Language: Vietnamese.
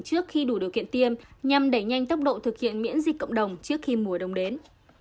trước khi đủ điều kiện tiêm nhằm đẩy nhanh tốc độ thực hiện miễn dịch cộng đồng trước khi mùa đông đến